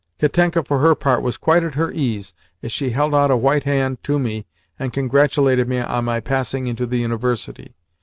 Katenka, for her part, was quite at her ease as she held out a white hand to me and congratulated me on my passing into the University.